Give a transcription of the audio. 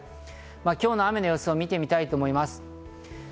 今日の雨の様子を見てみたいと思います。